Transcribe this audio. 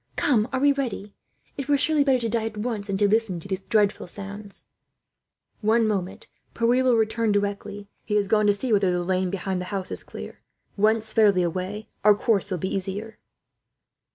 "Come; are we ready? It were surely better to die at once, than to listen to these dreadful sounds." "One moment. Pierre will return directly. He has gone to see whether the lane behind the houses is clear. Once fairly away, and our course will be easier."